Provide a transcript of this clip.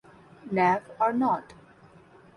Knave or Not?